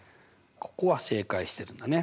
ここは正解してるんだね。